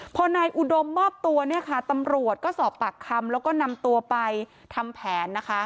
พอนายอุดมมอบตัวเนี่ยค่ะตำรวจก็สอบปากคำแล้วก็นำตัวไปทำแผนนะคะ